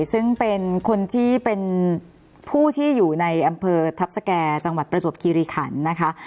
ซึ่งเป็นคนที่เป็นผู้ที่อยู่ในอำเภอทัพสแก่จังหวัดประจวบคิริขันนะคะ